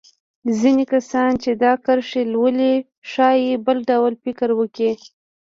ځينې کسان چې دا کرښې لولي ښايي بل ډول فکر وکړي.